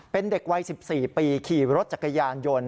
เป็นเด็กวัย๑๔ปีขี่รถจักรยานยนต์